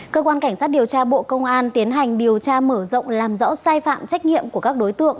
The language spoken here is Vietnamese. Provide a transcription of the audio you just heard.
cơ quan cảnh sát điều tra bộ công an tiến hành điều tra mở rộng làm rõ sai phạm trách nhiệm của các đối tượng